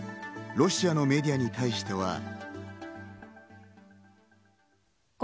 ロシアのメディアに対しては。